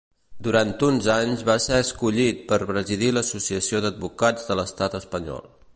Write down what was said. Durant uns anys va ser escollit per presidir l'Associació d'Advocats de l'Estat espanyol.